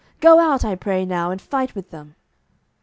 go out, I pray now, and fight with them.